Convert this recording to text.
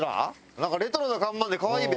なんかレトロな看板で可愛いべ。